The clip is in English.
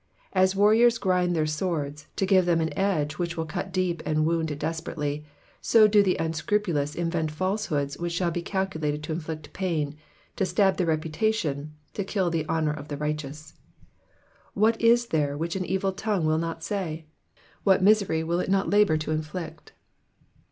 As warriors grind their swords, to give them an edge which will cut deep and wound desperately, so do the unscrupulous invent falsehoods which shall be calculated to inflict pain, to stab the reputation, to kill th^ honour of the righteous. What is there which an evil tongue will not say ? What misery will it not labour to inflict?